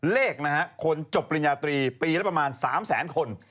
เลขนะฮะคนจบปริญญาตรีปีละประมาณ๓แสนคน